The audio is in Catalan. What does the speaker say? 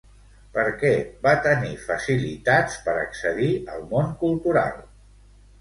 Per què va tenir facilitats per accedir al món cultural?